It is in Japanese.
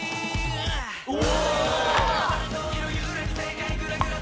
お！